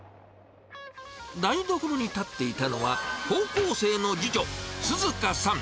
台所に立っていたのは、高校生の次女、涼夏さん。